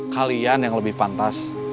kalian yang lebih pantas